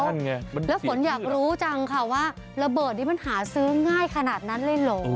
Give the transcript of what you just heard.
นั่นไงแล้วฝนอยากรู้จังค่ะว่าระเบิดนี้มันหาซื้อง่ายขนาดนั้นเลยเหรอ